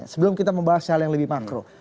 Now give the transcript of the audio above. sebelum kita membahas hal yang lebih makro